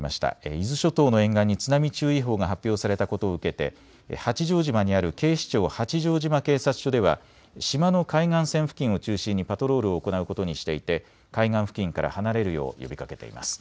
伊豆諸島の沿岸に津波注意報が発表されたことを受けて八丈島にある警視庁八丈島警察署では島の海岸線付近を中心にパトロールを行うことにしていて海岸付近から離れるよう呼びかけています。